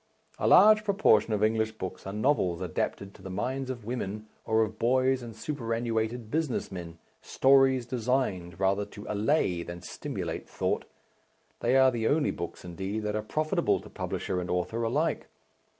A large proportion of English books are novels adapted to the minds of women, or of boys and superannuated business men, stories designed rather to allay than stimulate thought they are the only books, indeed, that are profitable to publisher and author alike.